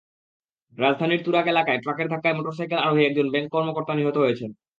রাজধানীর তুরাগ এলাকায় ট্রাকের ধাক্কায় মোটরসাইকেল আরোহী একজন ব্যাংক কর্মকর্তা নিহত হয়েছেন।